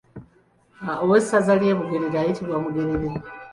Owessaza ly’e Bugerere ayitibwa Mugerere.